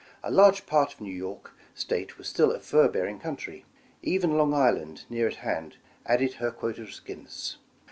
A large part of New York State was still a fur bearing coun try. Even Long Island, near at hand, added her quota of skins.